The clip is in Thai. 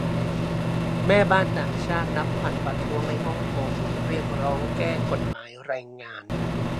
แม่บ้านต่างชาตินับพันประท้วงในฮ่องกงเรียกร้องแก้ กฎหมายแรงงาน